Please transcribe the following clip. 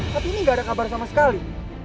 tapi ini nggak ada kabar sama sekali